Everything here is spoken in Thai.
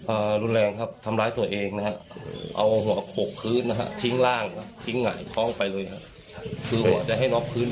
อ่ารุนแรงครับทำร้ายตัวเองนะฮะ